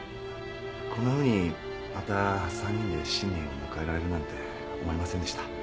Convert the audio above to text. こんなふうにまた三人で新年を迎えられるなんて思いませんでした。